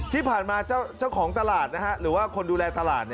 ที่ผ่านมาเจ้าของตลาดหรือว่าคนดูแลตลาด